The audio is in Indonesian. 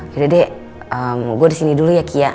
gue disini dulu ya kia